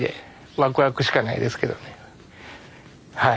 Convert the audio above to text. ワクワクしかないですけどねはい。